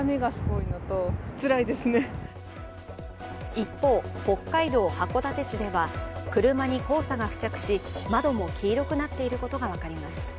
一方、北海道函館市では車に黄砂が付着し窓も黄色くなっていることが分かります。